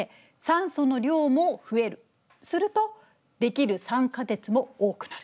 すると出来る酸化鉄も多くなる。